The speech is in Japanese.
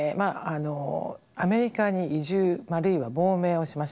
アメリカに移住あるいは亡命をしました。